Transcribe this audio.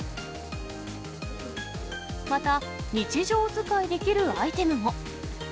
また、日常使いできるアイテムも。